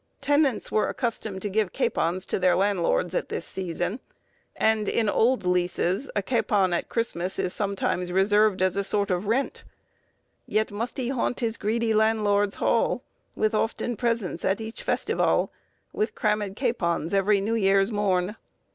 Tenants were accustomed to give capons to their landlords at this season, and in old leases, a capon, at Christmas, is sometimes reserved as a sort of rent,— "Yet must he haunt his greedy landlord's hall, With often presents at ech festivall; With crammed capons ev'ry New Year's morne."